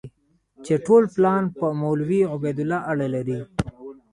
چې ټول پلان په مولوي عبیدالله اړه لري.